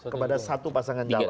kepada satu pasangan jalan